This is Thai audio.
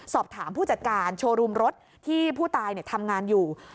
สอบถามผู้จัดการโชว์รูมรถที่ผู้ตายทำงานอยู่